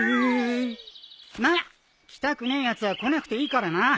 まあ来たくねえやつは来なくていいからな。